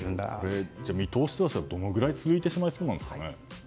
見通しとしてはどのくらい続いてしまいそうですか。